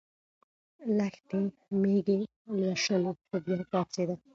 لښتې مېږې لوشلې خو بیا پاڅېده.